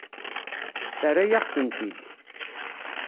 Terra-yaɣ-tent-id.